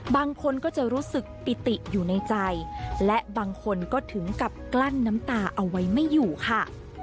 บางคนก็จะรู้สึกปิติอยู่ในใจและบางคนก็ถึงกับกลั้นน้ำตาเอาไว้ไม่อยู่ค่ะ